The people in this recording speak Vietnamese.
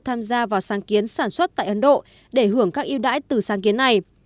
tham gia vào sáng kiến sản xuất tại ấn độ để hưởng các yêu đáy từ sáng kiến này